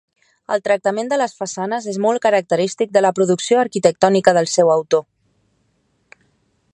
El tractament de les façanes és molt característic de la producció arquitectònica del seu autor.